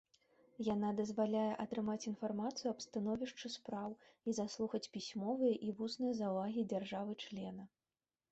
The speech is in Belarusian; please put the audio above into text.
Яна дазваляе атрымаць інфармацыю аб становішчы спраў і заслухаць пісьмовыя і вусныя заўвагі дзяржавы-члена.